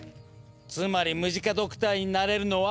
つまりムジカドクターになれるのは。